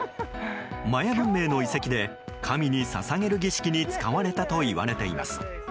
マヤ文明の遺跡で神に捧げる儀式に使われたといわれています。